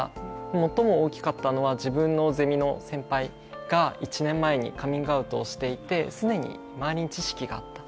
最も大きかったのは自分のゼミの先輩が１年前にカミングアウトをしていて既に周りに知識があった。